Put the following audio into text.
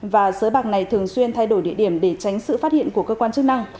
và sới bạc này thường xuyên thay đổi địa điểm để tránh sự phát hiện của cơ quan chức năng